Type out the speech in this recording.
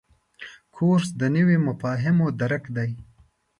کورس د نویو مفاهیمو درک دی.